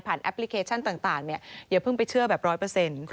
แอปพลิเคชันต่างเนี่ยอย่าเพิ่งไปเชื่อแบบร้อยเปอร์เซ็นต์